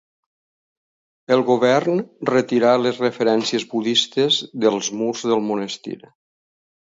El govern retirà les referències budistes dels murs del monestir.